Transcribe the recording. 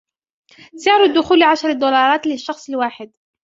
سعر الدخول عشرة دولارات للشخص الواحد.